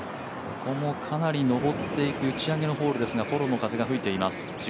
ここもかなり上っていく打ち上げですがフォローの風が吹いています。